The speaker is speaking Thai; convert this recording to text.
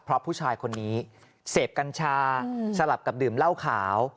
เพราะผู้ชายคนนี้เสพกัญชาสลับกับดื่มเหล้าขาว